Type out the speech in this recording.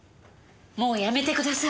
もうやめてください。